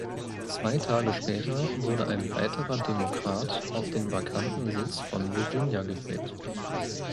Zwei Tage später wurde ein weiterer Demokrat auf den vakanten Sitz von Virginia gewählt.